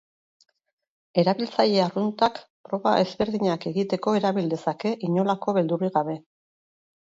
Erabiltzaile arruntak proba ezberdinak egiteko erabil dezake inolako beldurrik gabe.